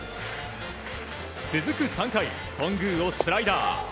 続く３回、頓宮をスライダー。